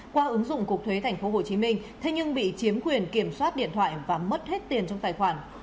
qua ứng dụng cục thuế tp hcm thế nhưng bị chiếm quyền kiểm soát điện thoại và mất hết tiền trong tài khoản